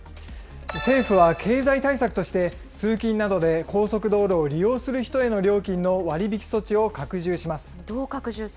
政府は経済対策として、通勤などで高速道路を利用する人への料金の割引措置を拡充します。